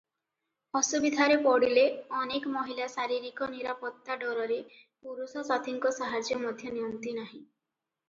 ଅସୁବିଧାରେ ପଡ଼ିଲେ ଅନେକ ମହିଳା ଶାରୀରିକ ନିରାପତ୍ତା ଡରରେ ପୁରୁଷ ସାଥୀଙ୍କ ସାହାଯ୍ୟ ମଧ୍ୟ ନିଅନ୍ତି ନାହିଁ ।